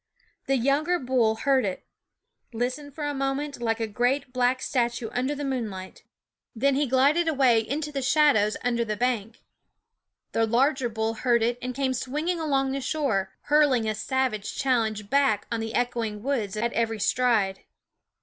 The younger bull heard it ; listened for a moment, like a great black statue under the moonlight; then he glided away into the shadows under the bank. The larger bull heard it and came swinging along the shore, hurling a savage challenge back on the echoing woods at every stride.